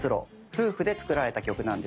夫婦で作られた曲なんですね。